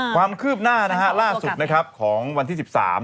ความคืบหน้าล่าสุดของวันที่๑๓